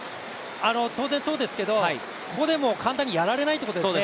当然そうですけど、個でも、簡単にやられないということですね。